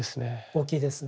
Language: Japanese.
大きいですね。